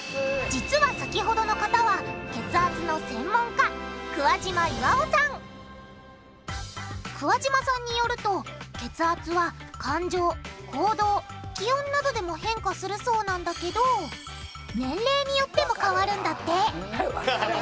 実は先ほどの方は血圧の専門家桑島さんによると血圧は感情行動気温などでも変化するそうなんだけど年齢によっても変わるんだってわかる。